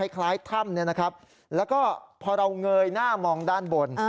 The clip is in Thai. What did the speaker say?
คล้ายถ้ำแล้วก็พอเราเงยหน้ามองด้านบน